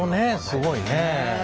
すごいね。